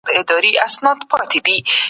دوهم پړاو میتافزیکي یا فلسفي و.